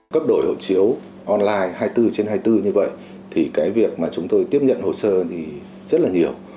cấp đổi hộ chiếu online hai mươi bốn trên hai mươi bốn như vậy thì cái việc mà chúng tôi tiếp nhận hồ sơ thì rất là nhiều